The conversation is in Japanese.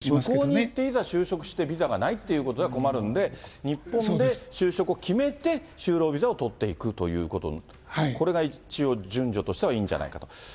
向こうに行って、いざ就職して、ビザがないっていうことじゃ困るんで、日本で就職を決めて、就労ビザを取って行くということ、これが一応、順序としてはいいんじゃないかと。